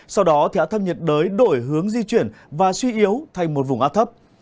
sau đó áp thấp nhiệt đới đổi hướng di chuyển và suy yếu thành một vùng áp thấp